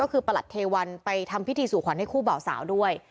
ก็คือประหลัดเทวันไปทำพิธีสู่ขวัญให้คู่บ่าวสาวด้วย